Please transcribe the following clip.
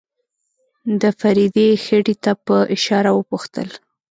د فريدې خېټې ته په اشاره وپوښتل.